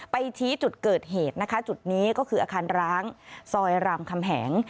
ชี้จุดเกิดเหตุนะคะจุดนี้ก็คืออาคารร้างซอยรามคำแหง